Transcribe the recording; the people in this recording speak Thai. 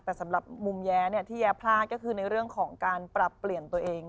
แต่สำหรับมุมแย้ที่แย้พลาดก็คือในเรื่องของการปรับเปลี่ยนตัวเอง